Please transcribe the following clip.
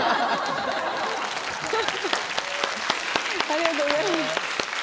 ありがとうございます。